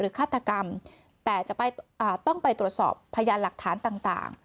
ฆาตกรรมแต่จะต้องไปตรวจสอบพยานหลักฐานต่าง